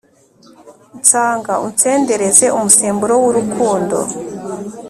Nsanga unsendereze umusemburo w’urukundo,